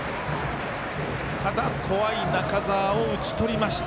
ただ、怖い中澤を打ち取りました。